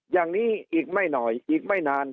อย่างนี้อีกไม่หน่อยอีกไม่นาน